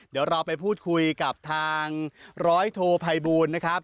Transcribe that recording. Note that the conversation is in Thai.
เดี๋ยวเราไปพูดคุยกับทางร้อยโทภัยบูลนะครับ